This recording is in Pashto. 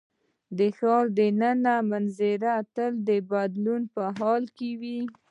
د ښار د ننه منظره تل د بدلون په حال کې وه.